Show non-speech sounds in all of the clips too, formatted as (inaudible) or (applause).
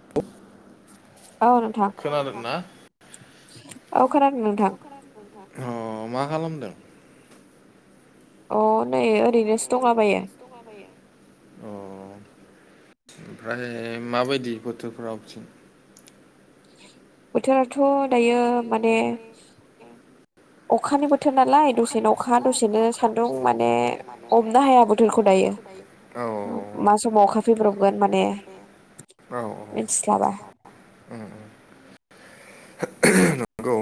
(inaudible) औ नोंथां। औ खोनादों नोंथां। ओ मा खालामदों? अ नै ओरैनोसो दंला बायो। अ ओमफ्राय माबायदि बोथोरफोरा बिथिं? बोथोराथ' दायो माने अखानि बोथोर नालाय दसेनो अखा दसेनो सान्दुं माने हमनो हाया बोथोरखौ दायो मा समाव अखा फैब्रबगोन माने औ औ नगौ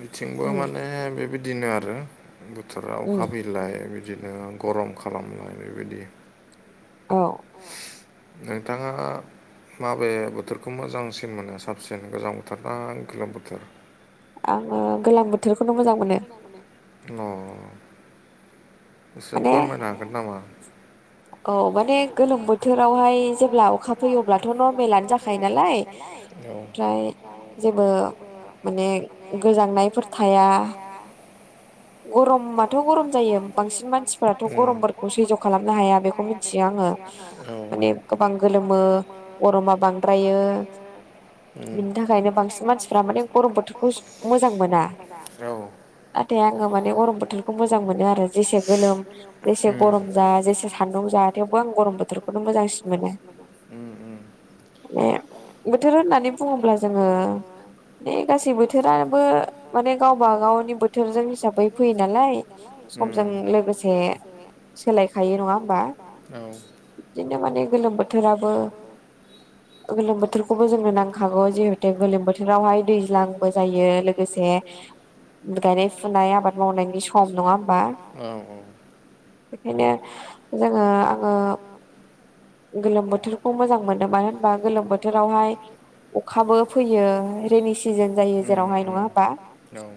बिथिंबो माने बेबायदिनो आरो बोथोरा अखा फैय लाय बिदिनो गरम खालामलाय बेबायदि औ नोंथाङा माबे बोथोरखौ मोजांसिन मोनो साबसिन गोजां बोथोर दा गोलोम बोथोर? आङो गोलां बोथोरखौनो मोजां मोनो। न' एसे फोरमायनो हागोन नामा? औ माने गोलोम बोथोरावहाय जो अब्ला अखा फैयो अब्लाथ' नर्मेलानो जाखायो नालाय ओमफ्राय जेबो माने गोजांनायफोर थाया। गरम मा दाथ' गरम जायो बांसिन मानसिफोराथ' गरमफोरखौ सैज्य' खालामनो हाया बेखौ मिथियो आङो माने गोबां गोलोमो गरमा बांद्रायो‌। बिनि थाखायनो बांसिन मानसिफ्रा माने गरम बोथोरखौ मोजां मोना ना आङो माने गरम बोथोरखौ मोजां मोनो आरो जेसे गोलोम जेसे गरम जा जेसे सान्दुं जाहा थेवबो आं गरम बोथोरखौनो मोजांसिन मोनो। ए बोथोर होननानै बुङोब्ला जोङो बे गासै बोथोराबो माने गावबा गावनिबोथ बोथोरजों हिसाबै फैयो नालाय समजों लोगोसे सोलायखायो नङा होमबा। बिदिनो माने गोलोम बोथोराबो गोलोम बोथोरखौबो जोंनो नांखागौ जिहेते गोलोम बोथोर बिरावहाय दैज्लांबो जायो लोगोसे गायनाय औ औ बेखायनो जोङो आङो गोलोम बोथोरखौ मोजां मोनो मानो होनबा गोलोम बोथोरावहाय अखाबो फैयो रेनि सिजोन जायो जेरावहाय नङा होमबा। नौ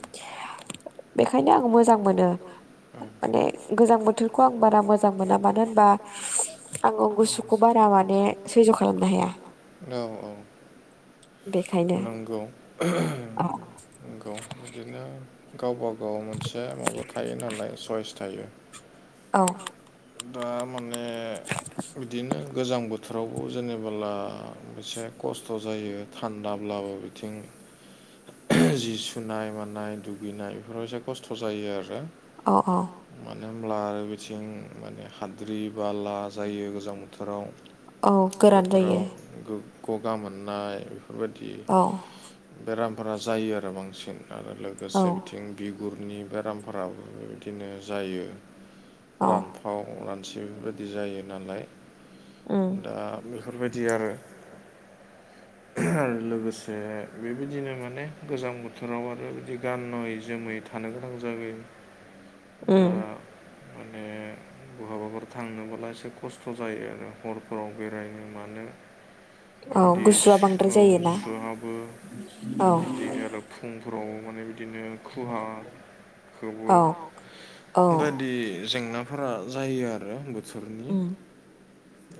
बेखायनो आं मोजां मोनो। माने गोजां बोथोरखौ आं बारा मोजां मोना मानो होनबा आं गुसुखौ बारा माने सैज' खालामनो हाया। औ औ नंगौ। नंगौ बिदिनो गावबा गाव मोनसे माबा थायो नालाय सइस थायो। औ दा माने बिदिनो गोजां बोथोरावबो जेनेबोला एसे खस्थ' जायो थान्दाब्लाबो बिथिं जि सुनाय मानाय दुगैनाय बेफोराव एसे खस्थ' जायो आरो औ औ मानो होनब्ला आरो बिथिं माने हाद्रि बा ला जायो गोजां बोथोराव। बेफोराव गो गगा मोननाय बेफोरबायदि बेरामफोरा जायो आरो बांसिन आरो लोगोसे बिथिं बिगुरनि बेरामफोराबो बेबायदिनो जायो फोराम थाव रानसि बेफोरबायदि जायो नालाय दा बेफोरबायदि आरो आरो लोगोसे बेबायदिनो माने गोजां बोथोराव आरो बिदि गान जोमै थानो गोनां जायो। दा माने बहाबाफोर थांनोबोला एसे खस्थ' जायो आरो हरफोराव बेरायनो मानो। औ गुसुआ बांद्राय जायोना। बिदि आरो फुंफोराव माने बिदिनो खुहाखौबो बायदि जेंनाफोरा जायो आरो बोथोरनि।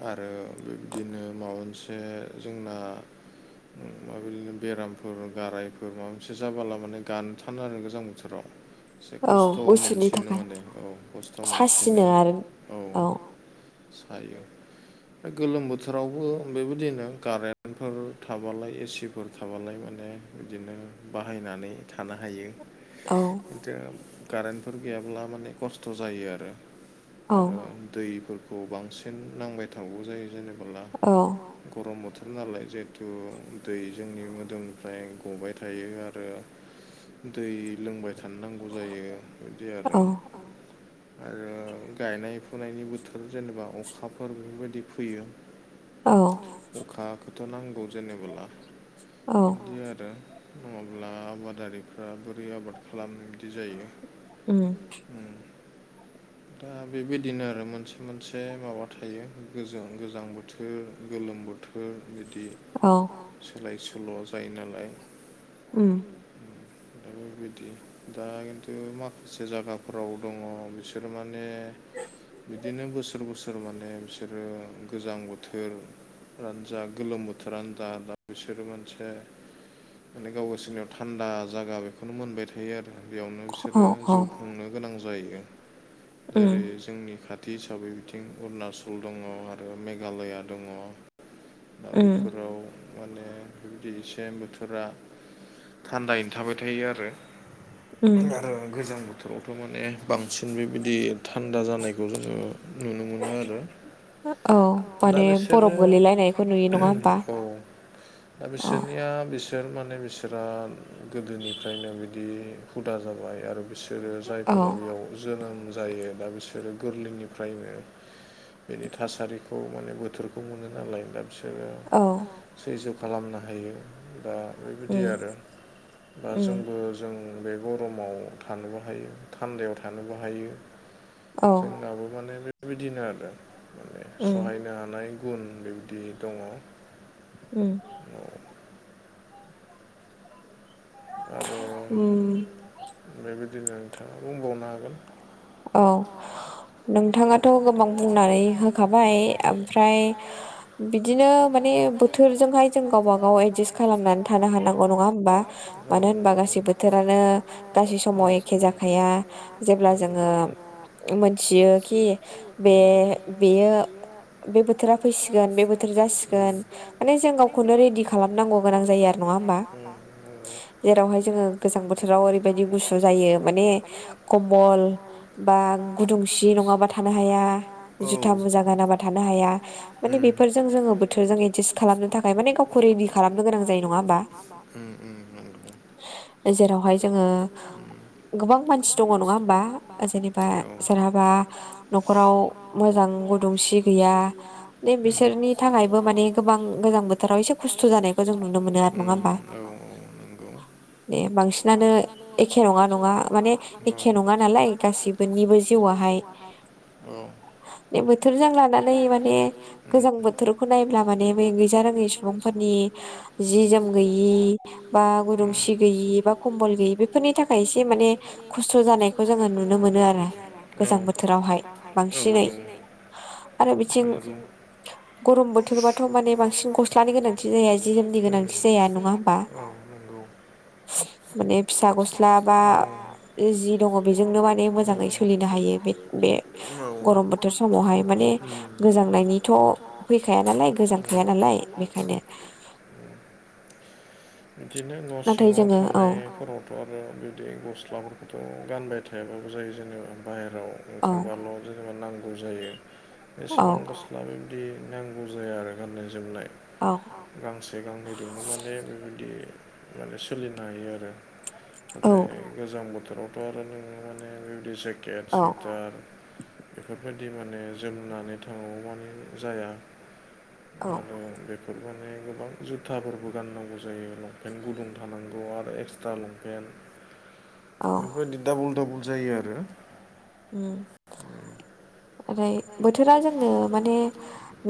आरो बिदिनो माबा मोनसे जोंना (inaudible) माबायदिनो बेरामफोर गारायफोर माबा मोनसे जाबाला माने गानथानो आरो गोजां बोथोराव। (inaudible) खस्थ' मोनसिनो माने औ खस्थ' मोनसिनो औ। थायो दा गोलोम बोथोरावबो बेबायदिनो कारेन्ट फोर थाबालाय एसिफोर थाबालाय माने बिदिनो बाहायनानै थानो हायो। औ दिनो कारेन्टफोर गैयाब्ला माने खस्थ' जायो आरो आरो दैफोर खौ बांसिन नांबाय थागौ जायो जेनेबोला औ गरम बोथोर नालाय जिहेथु दै जोंनि मोदोमनिफ्राय गबाय थायो आरो। दै लोंबाय थानोनांगौ जायो बिदि आरो। आरो गायनाय फुनायनि बोथोर जेनेबा अखाफोर बेफोरबायदि फैयो। औ अखाखौथ' नांगौ जेनेबोला। औ बिदि आरो नङाब्ला आबादारिफ्रा बोरै आबाद खालाम बिदि जायो। उम दा बेबायदिनो आरो मोनसे मोनसे माबा थायो गोजों गोजां बोथोर गोलोम बोथो फोर बिदि औ सोलाय सोल' जायो नालाय। उम बेबायदि दा खिन्थु माखासे जायगाफोराव दङ बिस सोरमाने बिदिनो बोसोर बोसोर माने बिसोरो गोजां बोथोर रानो जा गोलोम बोथोरानो जा बिसोरो मोनसे माने गाव गावसोरनियाव थान्दा जागा बेखौनो मोनबाय थायो आरो। बेयावनो बिसोरो जिउ खुंनो गोनां जायो जेरै जोंनि खा कटि हिसाबै बिथिं अरुणाचल दङ आरो मेघालया दङ। दा बेफोराव माने बिबायदि एसे बोथोरा थान्दायैनो थाबाय थायो आरो। आरो गोजां बोथोरावथ' माने बांसिन बे बिदि थान्दा जानायखौ जोङो नुनो मोनो आरो। दा बिसोरो औ। दा बिसोरनिया बिसे सोर माने बिसोरा गोदोनिफ्रायनो बिदि हुदा जाबाय आरो बिसोर सोरो जायफोरा बेयाव जोनोम जायो दा बिसोरो गोरलैनिफ्रायनो बेनि थासारिखौ माने बोथोरखौ मोनो नालाय दा बिसोरो औ सैज्य खालामनो हायो दा बेबायदि आरो बा जोंबो जों बे गरमाव थानोबो हायो थान्दायाव थानोबो हायो। जोंनाबो माने बेबायदिनो आरो दा माने सहायनो हानाय गुन बेबायदि दङ। उम (unintelligible) आरो बेबायदिनो नोंथाङा बुंबावनो हागोन औ नोंथाङाथ' गोबां बुंनानै होखाबाय ओमफ्राय बिदिनो माने बोथोरजोंहाय जों गावबा गाव एदजासट खालामनानै थानो हानांगौ नङा होमबा मानो होनबा गासै बोथोरानो गासै समाव एखे जाखाया जेब्ला जों ङो मिथियो कि बे बेयो बे बोथोरा फैसिगोन बे बोथोर जासिगोन माने जों गावखौनो रेडि खालामनांगौ गोनां जायो आरो नङा होमबा जेरावहाय जोङो गोजां बोथोराव ओरैबायदि गुसु जायो माने कम्बल बा गुदुंसि नङाबा थानो हाया जुथा मुजा गानाबा थानो हाया माने बेफोरजों जोङो बोथोरजों एदजास्ट खालामनो थाखाय माने गावखौ रेडि खालामनो गोनां जायो नङा होमबा उम उ जेरावहाय जोङो गोबां मानसि दङ नङा होमबा जेनेबा सोरहाबा न'खराव मोजां गुदुंसि गैया दे बिसोरनि थाखायबो माने गोबां गोजां बोथोराव एसे खस्थ' जानायखौ जों नुनो मोनो आरो नङा होमबा (inaudible) ने बांसिनानो एखे नङा नङा माने एखे नङा नालाय गासिबोनिबो जिउआहाय बोथोरजों लानानै माने गोजां बोथोरखौ नायब्ला माने बे गैजारोङि सुबुंफोरनि जि जोम गैयि बा गुदुंसि गैयि बा कम्बल गैयि बेफोरनि थाखाय एसे माने खस्थ' जानायखौ जोङो नुनो नुनो मोनो आरो गोजां बोथोरावहाय बांसिनै आरो बिथिं गरम बोथोरबाथ' माने बांसिन गस्लानि गोनांथि जाया जि जोमनि गोनांथि जाया नङा होमबा माने फिसा गस्ला बा जि दङ बेजोंनो मान माने मोजाङै सोलिनो हायो बे बे गरम बोथोर समावहाय माने गोजांनायनिथ' फैखाया नालाय गोजांखाया नालाय बेखायनो बिदिनो न' सिङाव थानायफोराव थ' आरो बिदि गस्लाफोरखौथ' गानबाय थायाबाबो जायो जेनेबा बाहेरायाव ओंखारबाल' जेनेबा नांगौ जायो एसेबां सि्ला बेबायदि नांगौ जाया आरो गाननाय जोमनाय औ गांसे गांनै दोनो माने बेबायदि माने सोलिनो हायो आरो नाथाय गोजां बोथोरावथ' आरो नों माने बेबायदि जेकेट सुइटार बेफोरबायदि माने जोमनानै थांनांगौ माने जाया आरो बे बेफोर माने गोबां जुथाफोरबो गाननांगौ जायो लंपेन्ट गुदुं थानांगौ आरो एक्सट्रा लंपेन्ट बेफोरबायदि दाबल दाबल जायो आरो उम बोथोरा जोंनो माने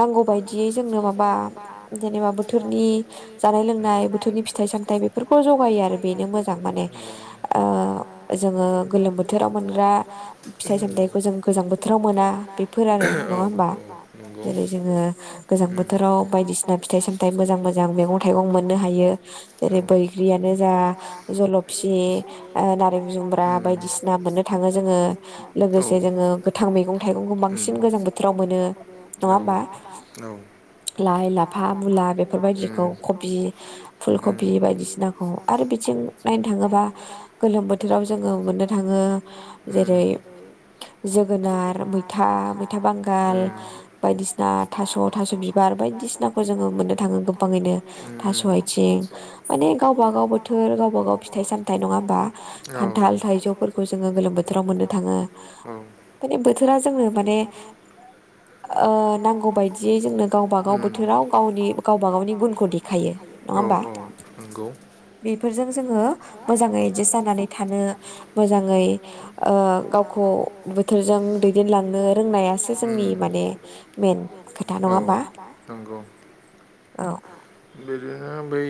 नांगौ बाय दिजोंनो माबा जेनेबा बोथोरनि जानाय लोंनाय बोथोरनि फिथाइ सामथाइ बे फोरखौ जगायो आरो बेनो मोजां माने जोङो गोलोम बोथोराव मोनग्रा फिथाइ सामथायाइखौ जों गोजां बोथोराव मोना बेफोर आरो नङा होमबा जेरै जोङो गोजां बोथोराव बायदिसिना फिथाइ सामथाइ मोजां मोजां मैगं थाइगं मोननो हायो जेरै बैग्रियानो जा जलफि नारें जुमब्रा बायदिसिना मोनो थाङो जोङो लो औ उम औ औ लाइ लाफा मुला बेफोरबायदिखौ कबि फुल कबि बायदिसिनाखौ आरो बिथिं नायनो थाङोबा गोलोम बोथोराव जोङो मोननो थाङो जेरै जोगोनार मैथा मैथा बांगाल बायदिसिना थास' थास' बिबार बायदिसिनाखौ जोङो मोननो थाङो गोबाङैनो थास' आथिं माने गावबागाव बोथोर गावबा गाव फिथाइ सामथायाइ नङा होमबा खान्थाल, थाइजौफोरखौ जोङो गोलोम बोथोराव मोननो थाङो माने बोथोरा जोंनो माने ओ नांग नांगौ बायदियै जोंनो गावबागाव बोथोराव गावनि गावबा गावनि गुनखौ देखायो नङा होमबा नोंगौ बेफोरजों जोङो मोजाङै एडजासट जानानै थानो मोजाङै ओ गावखौ बोथोरजों दैदेनलांनो रोंनायासो जोंनि माने औ नंगौ बिदिनो बै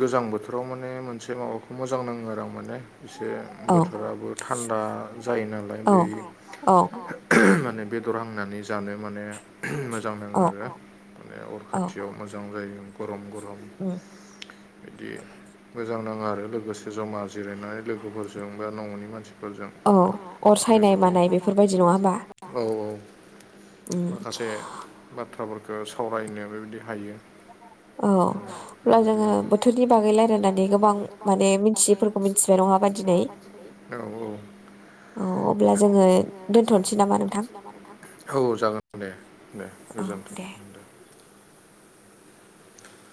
गोजां बोथोराव माने मोनसे माबाखौ मोजां नाङो आरो आं माने एसे बोथोराबो थान्दा जायो नालाय बै माने बेदर हांनानै जानो माने मोजां नाङो आरो माने अर खाथियाव। मोजां जायो गरम गरम। उम। बिदि मोजां नाङो आरो लोगोसे जमा जिरायनानै लोगोफोरजों बा न'नि मानसि फोरजों औ औ। माखासे बाथ्राफोरखौ सावरायनो बेबायदि हायो। (inaudible) औ औ औ जोगोन। दे दे गोजोनथों।